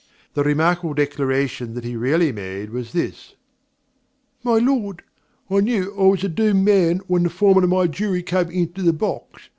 The remarkable declaration that he really made, was this: '_My Lord, I knew I was a doomed man when the Foreman of my Jury came into the box.